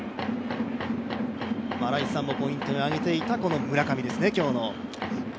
新井さんもポイントに挙げていた、村上ですね。